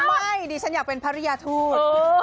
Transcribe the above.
ไม่ดิฉันอยากเป็นภรรยาทูต